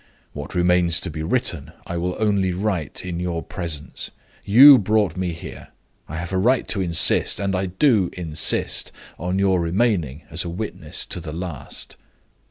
What remains to be written, I will only write in your presence. You brought me here. I have a right to insist and I do insist on your remaining as a witness to the last."